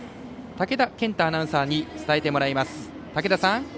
武田健太アナウンサーに伝えてもらいます。